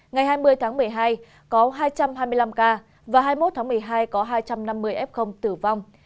ngày hai mươi tháng một mươi hai có hai trăm hai mươi năm ca và hai mươi một tháng một mươi hai có hai trăm năm mươi f tử vong